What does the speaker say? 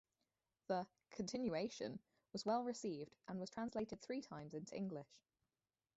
The "Continuation" was well received and was translated three times into English.